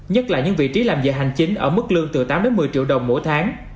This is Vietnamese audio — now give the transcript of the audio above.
nhất là những vị trí làm giờ hành chính ở mức lương từ tám đến một mươi triệu đồng mỗi tháng